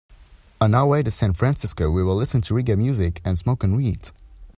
On our way to San Francisco, we were listening to reggae music and smoking weed.